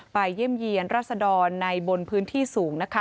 เยี่ยมเยี่ยนรัศดรในบนพื้นที่สูง